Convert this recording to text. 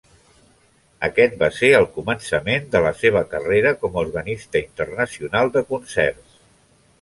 Aquest va ser el començament de la seva carrera com a organista internacional de concerts.